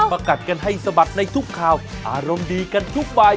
โปรดติดตามตอนต่อไป